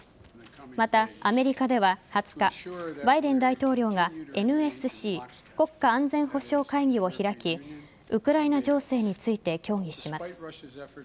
また、アメリカでは２０日バイデン大統領がＮＳＣ＝国家安全保障会議を開きウクライナ情勢について協議します。